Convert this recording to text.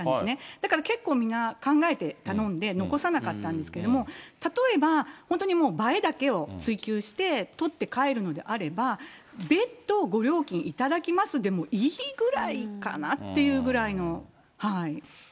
だから結構、皆、考えて、頼んで、残さなかったんですけれども、例えば、本当にもう映えだけを追求して撮って帰るのであれば、別途ご料金頂きますでもいいぐらいかなっていうぐらいの。